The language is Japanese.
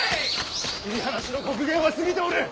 切放しの刻限は過ぎておる。